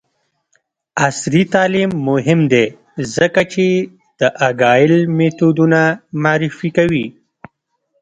عصري تعلیم مهم دی ځکه چې د اګایل میتودونه معرفي کوي.